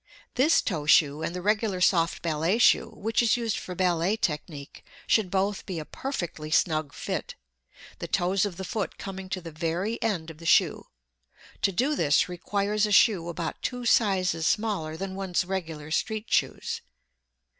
This toe shoe and the regular soft ballet shoe, which is used for ballet technique, should both be a perfectly snug fit, the toes of the foot coming to the very end of the shoe. To do this requires a shoe about two sizes smaller than one's regular street shoes.